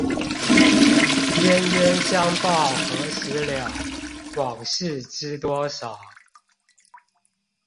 冤冤相報何時了，往事知多少